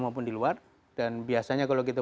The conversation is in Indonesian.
maupun di luar dan biasanya kalau kita